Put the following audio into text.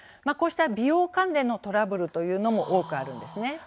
こうした美容関連のトラブルというのも多くあるんです。